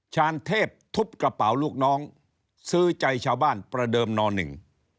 ชาญเทพทุบกระเป๋าลูกน้องซื้อใจชาวบ้านประเดิมนอหนึ่ง